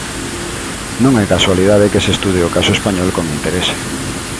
Non é casualidade que se estude o caso español con interese.